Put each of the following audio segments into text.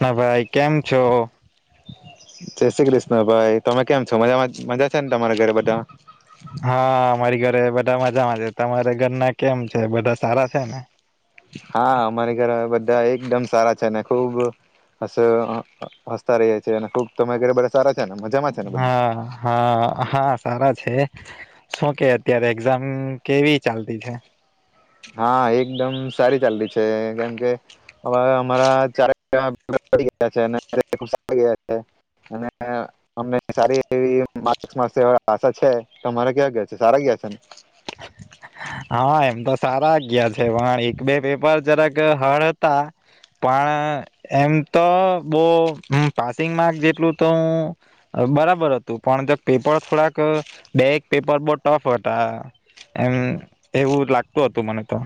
હા ભાઈ કેમ છો જય શ્રી કૃષ્ણ ભાઈ તમે કેમ છો મજા મજા છે ને તમારા ઘરે બધા હા અમારી ઘરે બધા મજામાં છે તમારા ઘરના કેમ છે બધા સારા છે ને હા અમારી ઘરે બધા એકદમ સારા છે ને ખુબ હસ હસતા રહીએ છે અને ખુબ તમે ઘરે બધા સારા છે ને મજામાં છે ને બધા હા હા હા સારા છે શું કે અત્યારે એક્ઝામ કેવી ચાલતી છે હા એકદમ સારી ચાલલી છે કેમ કે હવે અમારા [unintelligible] તમારા કેવા ગયા છે સારા ગયા છે ને હા એમ તો સારા ગયા છે પણ એક બે પેપર જરાક હાર્ડ હતા પણ એમ તો બહું પાસિંગ માર્ક જેટલું તો હું બરાબર હતું પણ જો પેપર થોડાક બે એક પેપર બઉ ટફ હતા એમ એવું લાગતું હતું મને તો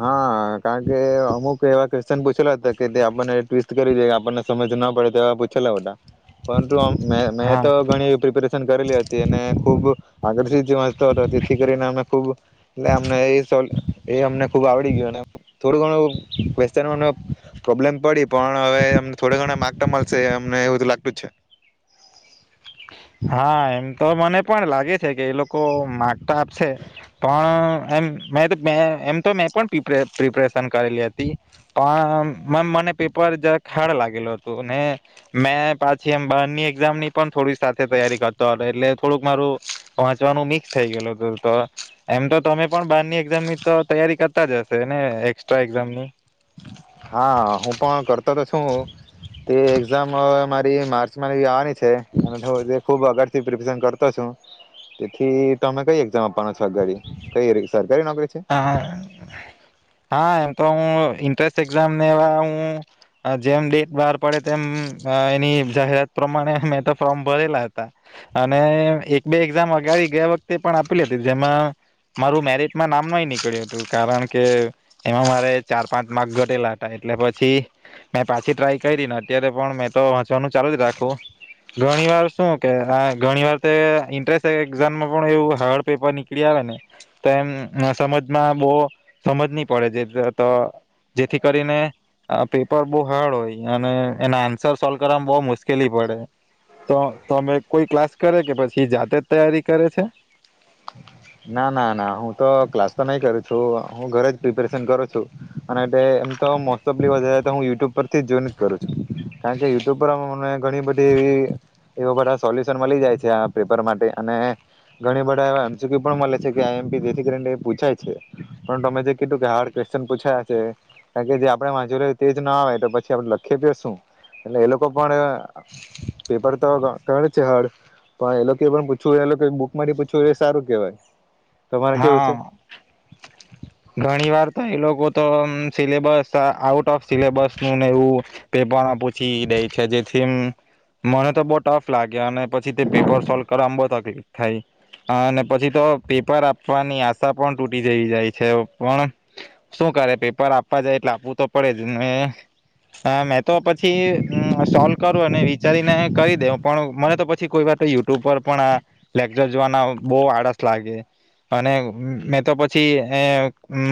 હા કારણ કે અમુક એવા કે ચાલ પૂછેલો હતા કે આપણને ટ્વીસ્ટ કરી દે કે આપણને સમજ ના પડે તેવા પૂછેલા હતા પરંતુ મે મેં હા તો ઘણી પ્રિપેરેશન કરેલી હતી અને ખુબ આકર્ષિત વાતો હતો તેથી કરીને અમે ખૂબ અમને એ સર અમને એ આવડી ગયું અને થોડું ઘણું કવેશચનો નું પ્રોબ્લેમ પડી પણ હવેમ થોડ ઘણા માર્ક તો મળશે અમને એવું લાગતું જ છે હા એમ તો મને પણ લાગે છે કે એ લોકો માર્ક તો આપશે પણ એમ મે મે એમ તો મેં પણ પ્રિપરેશન કરેલી હતી પણ મને પેપર જરાક હાર્ડ લાગેલું હતું ને મે પાછી એમ બહારની એઝામની પણ થોડી, સાથે તૈયારી કરતો એટલે થોડુંક મારું વાંચવાનું મિક્સ થઈ ગયેલું હતું તો એમ તો તમે પણ બારની એગ્ઝામની તો તૈયારી કરતા જ હશે ને એસ્ટ્રા એઝામની હા હું પણ કરતો તો છું તે એક્ઝામ મારી માર્ચમાં આવની છે અને તે ખુબ અગર પ્રિપરેશન કરી નાખવી છે હા હા એમ તો હું એન્ટ્રાન્સ એક્ઝામને એવા હું જેમ ડેટ બહાર પડે તેમ એની જાહેરાત પ્રમાણે મે તો ફોર્મ ભરેલા હતા અને એક બે એક્ઝામ અગાડી ગયા વખતે પણ આપેલી હતી જેમાં મારું મેરેટમાં નામ એમા એ નીકળલ્યું હતું કારણ કે એમાં મારે ચાર પાંચ માર્ક ઘટેલા હતા એટલે પછી મે પાછી ટ્રાય કરીને અત્યારે પણ મેં તો વંચવાનું ચાલુ જ રાખું ઘણી વાર શું કે ઘણી વાર તે ઈન્ટરેસ એક્ઝામમાં પણ એવું હાર્ડ પેપર નીકળી આવેને તો એમ અહ સમજમાં બો સમજ નહી પડે જે ગટ જેથી કરીને આ પેપર બઉ હાર્ડ હોય અને એના આન્સર સોલ્વ કરવાવામાં બવ મુશ્કેલી પડે. તો તમે કોઈ ક્લાસ કરે કે પછી એ જાતે જ તૈયારી કરે છે? ના ના ના હું તો ક્લાસ તો નહીં કરું છું હું, ઘરે જ પ્રિપેરેશન કરું છું. અને એટલે એમ તો મોસ્ટ ઓફલી તો વધારે તો હું યુટ્યુબ પરથી જોઈને જ કરું છું. કારણ કે યુટ્યુબ પર મને ઘણી બધી એવી એવા બધા સોલ્યુશન મળી જાય છે આ પેપર માટે અને ઘણી બધા એવા એમ શી ક્યુ પણ મળે છે કે આઈ એમ પી જેથી કરીને એ પૂછાય છે. પણ તમે જે કીધું કે હાર્ડ ક્વેશ્ચન પૂછ્યા છે કારણ કે જે આપણે વાચેલુ તેજ ના આવે તો પછી આપડે લખેતે શું એટલે એ લોકો પણ અહ પેપર તો ક-કરે છે હાર્ડ પણ એ લોકો એ પણ પૂછ્યું એ લોકો બુકમાંથી પૂછ્યું એ સારું કેવાય. તમારે કેવું છે? હા ઘણી વાર તે એ લોકો તો અમ્મ syllabus uh out of syllabus નું ને એવું પેપરમાં પૂછી દે છે, જેથી અમ્મ મને તો બહુ ટફ લાગે અને પછી તે પેપર સોલ્વ કરા માં બોત હ તે થાય. આહ અને પછી તો પેપર આપવાની આશા પણ તૂટી જઈ જાય. છે પણ શું કરે પેપર આપવા જાય એટલે આપવું તો પડેજ ને. મેં તો પછી હમ્મ સોલ્વ કરું અને વિચારીને કરી દેઉ પણ મને તો પછી કોઈ વાત યુટ્યુબ પર પણ, આ લેક્ચર જોવાના બહુ આળસ લાગે અને મેં તો પછી એ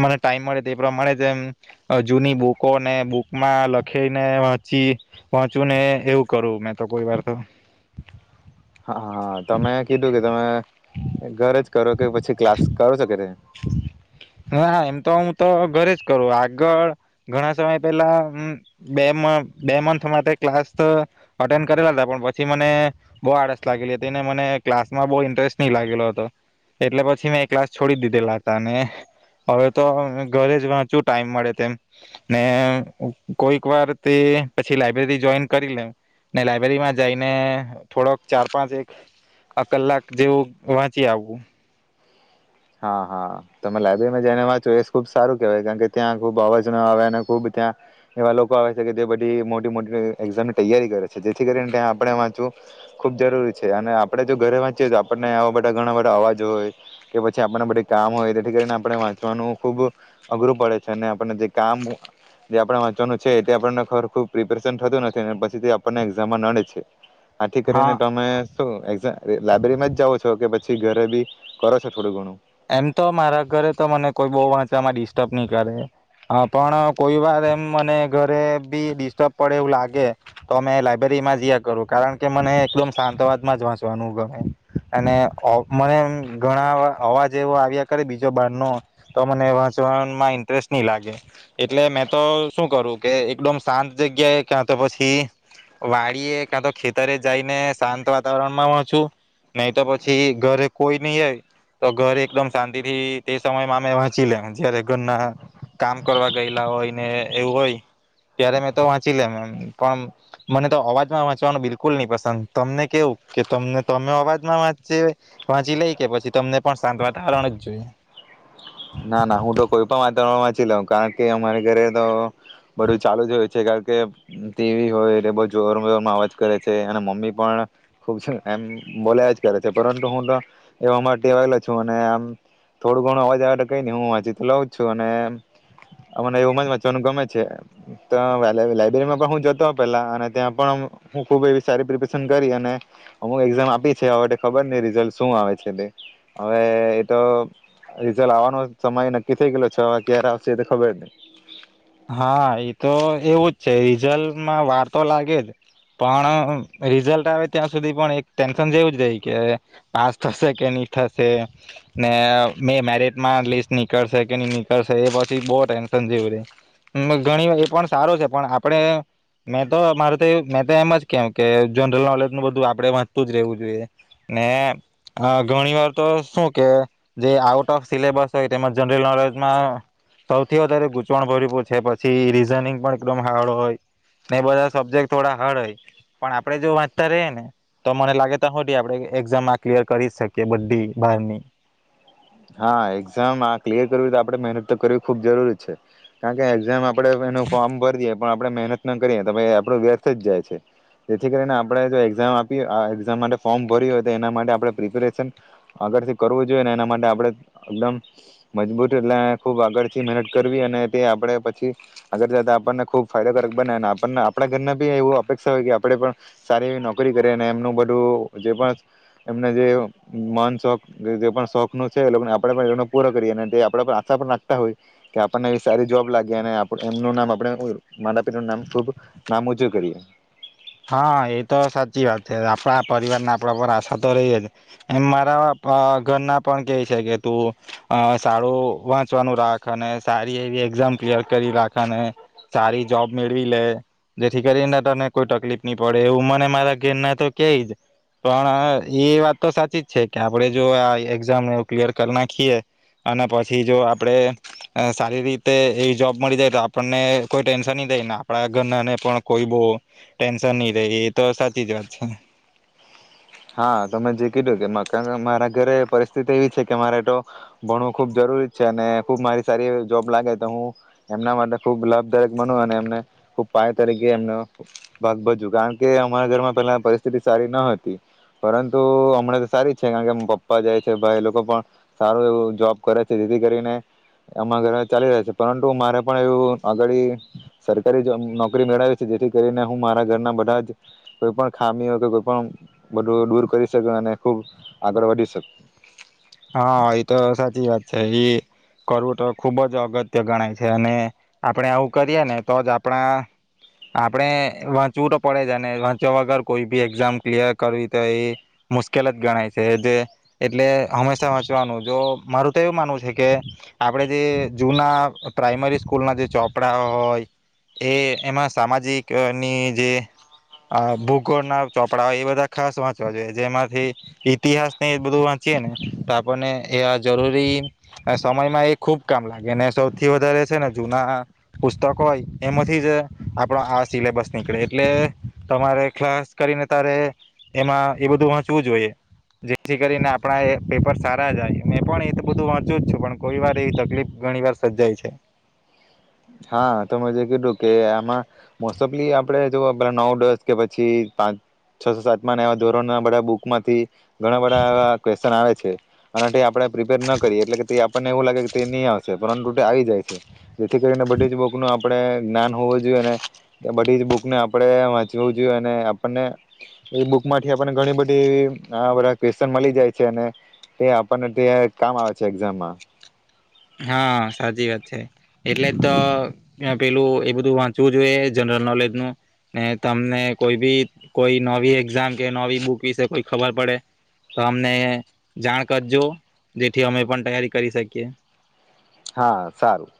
મને ટાઈમ મળે તે પ્રમાણે જ એમ જૂની બુકોને બુકમાં લખીને વાચી વાચું ને એવું કરું, મેં તો કોઈ વાર તો. હા, હા. તમે કીધું કે તમે ઘરેજ કરો કે પછી ક્લાસ કરો શકે તે હા, હા. એમ તો હું તો ઘરે જ કરું. આગળ ઘણા સમય પહેલા હમ્મ બે મ બે મંથ માટે ક્લાસ તો અટેન્ડ કરેલા હતા. પણ પછી મને બહુ આળસ લાગેલી હતી, એને મને ક્લાસ માં બહુ ઇન્ટરેસ્ટ નહી લાગેલો હતો. એટલે પછી મેં એ ક્લાસ છોડી દી દેવ લાતા ને હવે તો ઘરે જ વાંચું ટાઈમ મળે તેમ. ને અહ કોઈક વાર તે પછી લાઈબ્રેરી જોઈન કરી લે. ને લાઈબ્રેરીમાં જઈને થોડોક ચાર પાંચ એક કલાક જેવું વાંચી આવું. હા, હા. તમે લાયબ્રેરીમાં જઈને વાંચો એ ખુબ સારું કહેવાય. કારણ કે, ત્યાં ખુબ અવાજ ન આવે અને ખુબ ત્યાં એવા લોકો આવે છે કે તે બધી મોટી-મોટી એક્ઝામની તૈયારી કરે છે. જેથી કરીને ત્યાં આપણે વાંચવું ખુબ જરૂરી છે, અને આપણે જો ઘરે વાંચીએ તો આપણને આવા બધા ઘણા બધા અવાજ હોય કે પછ ચા આપણને બધી કામ હોય, તેથી કરીને આપણે વાંચવાનું ખૂબ અઘરું પડે છે. અને આપને જે કામ જે આપણે વાંચવાનું છે, એ આપણને ખબર ખૂબ પ્રિપેરેશન થતું નથી અને પછી તે આપણને એક્ઝામમાં નડે છે. આથી હા કરીને તમે શું એકઝા લાયબ્રેરીમાંજ જાાવો છો કે પછી ઘરે બી કરો છો થોડું ઘણું? એમ તો મારા ઘરે તો મને કોઈ બહ વાંચવામાં ડિસ્ટર્બ નહી કરે. હા પણ કોઈ વાર એમ મને ઘરે બી ડિસ્ટર્બ પડે એવું લાગે, તો અમે લાયબ્રેરી માં જયા કરું. કારણ કે, મને એકદમ શાંતવાદમાં જ વાંચવાનું ગમે. અને અહ મને અમ્મ એ ઘણા અવા અવાજ જેવો આવ્યા કરે બીજા બાર નો તો મને વાંચવામાં ઇન્ટરેસ્ટ નહી લાગે. એટલે મેં તો શું કરું કે એકદમ શાંત જગ્યાએ, ક્યા તો પછી વાડી એ, ક્યા તો ખેતરે જઈને શાંત વાતાવરણમાં વાંચું. નહી તો પછી ઘરે કોઈ ન હો તો ઘરે એકદમ શાંતિ થી તે સમયમાં અમે વાંચી લેવ જયારે ઘરના કામ કરવા ગયેલા હોય, ને એવું હોય ત્યારે મેં તો વાંચી લેમ એમ પણ, મને તો અવાજમાં વાંચવાનું બિલકુલ નહી પસંદ. તમને કેવું કે તમને તમે અવાજમાં વાંચી વાંચી લઈ કે પછી તમને પણ સાંત વાત તાવરણજ જોઈએ? ના ના હું તો કોઈ પણ વાતાવરણ વાંચી લઉ. કારણ કે, અમારે ઘરે તો બધું ચાલુ જ હોય છે. કારણ કે, ટીવી હોય બ જોર-જોરમાં અવાજ કરે છે અને મમ્મી પણ ખુબ એમ બોલ્યા જ કરે છે. પરંતુ હું તો એવામાં ટેવાયલો છું અને આમ થોડું ઘણો અવાજ આવે ટો કઈ ન હું વાંચી તો લઉં જ છું. અને અ મને એવુંમ જ વાંચવાનું ગમે છે. તો વેલાય લાયબ્રેરીમાં પણ હું જતો પેલા અને ત્યાં પણ હું ખુબ એવી સારી પ્રિપરેશન કરી અને અમુક એક્ઝામ આપી છે. હવે ખબર નહી રિઝલ્ટ શું આવે છે તે. હવે એતો રિઝલ્ટ આવાનો સમય નક્કી થઇ ગલો છ. ક્યારે આવશે એ તો ખબર નહી. હા. એતો એવું જ છે. રિઝલ્ટમાં વાર તો લાગે જ પણ રિઝલ્ટ આવે, ત્યાં સુધી પણ એક ટેન્શન જેવું જ રહી કે પાસ થશે કે નઈ થશે. ને અહ મે મેરિટમાં લીસ્ટ નીકળશે કે નઈ નીકળશે એ પછી બહ ટેન્શન જેવું રહી. હમ્મ ઘણી વાર એ પણ સારો છે પણ આપણે મેં તો મારે તો મેં તો એમ જ કેહ કે જનરલ નોલેજ નું બધું આપડે વાંચતું જ રવું જોઈએ. ને ઘણી આહ વાર તો શું કે જે આઉટ ઓફ સિલેબસ હોય, તેમાં જનરલ નોલેજમાં સૌથી વધારે ગૂંચવણ ભરી પડી છે પછી રીઝનિંગ પણ એકદમ હાર્ડ હોય. ને એ બધા સબ્જેક્ટ થોડા હાર્ડ હોય, પણ આપડે જો વાંચતા રએ ને તો મને લાગે ત્યાં હુદી આપડે આ એક્ઝામમાં ક્લિયર કરી શકીએ, બધી બારની. હા. એક્ઝામ આ ક્લિયર કરવી તો આપે મહેનત તો કરવી ખુબ જરૂરી છે. કારણ કે, એક્ઝામ આપ પડે વેનુ ફોમ ભર દિયે પણ આપણે મહેનત ન કરીએ તો આપણું વ્યર્થ જ જાય છે. જેથી કરીને આપણે જો એક્ઝામ આપીએ, આ એકઝામ માટે ફોર્મ ભરી્યું હોય, તો એના માટે આપણે પ્રિપેરેશન આગળથી કરવું જોઈએ, ને એના માટે આપણે એકદમ, મજબૂત એટલે ખુબ આગળથી મહેનત કરવી અને તે આપડે પછી આગળ જતા આપણને ખુબ ફાયદાકારક બને. આપને આપણા ઘર બી એવું અપેક્ષા હોય કે આપણેે પણ સારી એવી નોકરી કરી, અને એમનું બધું જે પણ એમને જે મન શોખ જે પણ શોખનું છે. લોકો આપણે પૂરો કરીએ, અને આપ આશા પણ રાખતા હોય કે, આપણને એ સારી જોબ લાગી અને આપડ એમનું નામ આપણે માતા પિતાનું નામ ખૂબ નામ ઊંચું કરીએ. હા એ તો સાચી વાત છે. આપણા પરિવારના આપણા પર આશા તો રહી જ એમ મારા પા ઘરના પણ કે છે, કે તું અહ સારું વાંચવાનું રાખ અને સારી એવી એક્ઝામ ક્લિયર કરી રાખે અને સારી જોબ મેળવી લે. જેથી કરીને તને કોઈ ટક કલીફ નહી પડે એવું મને મારા ઘેરના તો કેય જ પણ એ વાત તો સાચી જ છે કે આપડે જો આ એક્ઝામ એ ક્લિયર કરી નાખીએ અને પછી જો આપણેે અહ સારી રીતે એવી જોબ મળી જાય તો આપણને કોઈ ટેન્શન નહી દઈને આપણા ઘરનાને પણ કોઈ બોહ ટેન્શન નહી રે. એ તો સાચી જ વાત છે. હા, તમે જે કીધું કે મકા મારા ઘરે પરિસ્થિતિ એવી છે કે, મારે તો ભણવું ખુબ જરૂરી જ છે અને ખુબ મારી સારી એવી જોબ લાગે, તો હું એમના માટે ખુબ લાભદાયક બનુ અને એમને ખુબ પાય તરીકે એમનો ભાગ ભજવુ કાણ કે, અમારા ઘરમાં પેલા પરિસ્થિતિ સારી ન હતી પરંતુ, અમણે તો સારી છે, કાણ કે પપ્પા જાય છે, ભાઈ એ લોકો પણ સારું એવું જોબ કરે છે, જેથી કરીને અમાર ઘરે ચાલી રહે છે, પરંતુ મારે પણ એવું આગાળી સરકારી જો મ નોકરી મેળવવી છે. જેથી કરીને હું મારા ઘરના બધા જ કોઈ પણ ખામી હોય કે કોઈ પણ બઢુ દૂર કરી શકે અને ખુબ આગળ વઢી શક હા એ તો સાચી વાત છે એ કરવું તો ખુબ જ અગત્ય ગણાય છે અને આપણેે આવું કરીએ ને તો જ આપણા આપણે વાંચવું તો પડે જ અને વાંચ્યા વગર કોઈ બી એક્ઝામ ક્લિયર કરવી તો એ મુશ્કેલ જ ગણાય છે જે એટલે હમે શા વાચવાનું જો મારું તો એવું માનવું છે, કે આપડે જે જૂના પ્રાઈમરી સ્કૂલના જે ચોપડા હોય, જે એમાં સામાજિકની જે અ બુકોના ચોપડા હોય, એ બધા ખાસ વાંચવા જોઈએ, જેમાંથી ઇતિહાસ ને એ બધું વાંચીએ ને તો આપણને એ આ જરૂરી સમયમાં એ ખૂબ કામ લાગે અને સૌથી વધારે છે ને જૂના પુસ્તક હોય એમાંથી જ આપણો આ સિલેબસ નીકળે એટલે તમારે ક્લાસ કરીને તારે એમાં એ બધું વાંચવું જોઈએ, જેથી કરીને આપણા એ પેપર સારા જાય, મેં પણ એ તો બધું વાંચું જ છું, પણ કોઈ વાર એવી તકલીફ ઘણી વાર સર્જાય છે. હા. તમે જે કીધું કે આમાં મોસ્ટ ઓફલી આપડે જુવો પેલા નવ દસ કે પછી પાંચ છ સાતમા ને એવા ધોરણના બધા બુક માંથી ઘણા બઢા એવા ક્વેશ્ચન આવે છે અને ટે આપણે પ્રિપેર ન કરીએ એટલે કે તે આપણને એવું લાગે કે તે ની આવશે, પરંતુ ટે આવી જાય છે, જેથી કરીને બધી જ બુકનું આપણે જ્ઞાન હોવું જોઈએ અને બઢી જ બુકને આપડે વાંચવું જોઈએ અને આપણને એ બુક માંઠી આપણને ઘણી બધી આવા બઢા ક્વેશ્ચન મલી જાય છે અને તે આપણને ત્યારે કામ આવે છે એક્ઝામમાં હા, સાચી વાત છે. એટલે જ તો યાં પેલું એ બધું વાંચવું જોઈએ, જનરલ નોલેજનું ને તમને કોઈ બી કોઈ નવી એક્ઝામ કે નવી બુક વિશે કોઈ ખબર પડે, તો અમને જાણ કરજો, જેથી અમે પણ તૈયારી કરી શકીએ. હા, સારું.